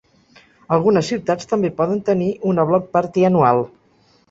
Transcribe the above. Algunes ciutats també poden tenir una "Block party" anual.